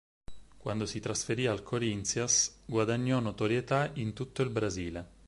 Quando si trasferì al Corinthians guadagnò notorietà in tutto il Brasile.